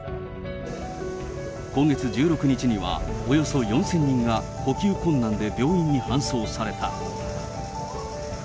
今月１６日には、およそ４０００人が呼吸困難で病院に搬送された。